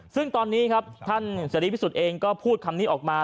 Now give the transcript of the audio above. ซึ่งตอนนี้ครับท่านเสรีพิสุทธิ์เองก็พูดคำนี้ออกมา